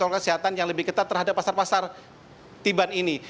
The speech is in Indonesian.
protokol kesehatan yang lebih ketat terhadap pasar pasar tiban ini